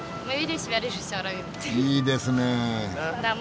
いいですね！